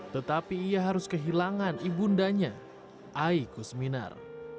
tetapi ia harus kehilangan ibundanya aikus winar